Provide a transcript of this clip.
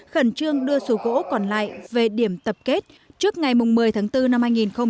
khẩn trương đưa số gỗ còn lại về điểm tập kết trước ngày một mươi tháng bốn năm hai nghìn hai mươi